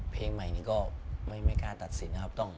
เพลงใหม่นี้ก็ไม่กล้าตัดสินนะครับ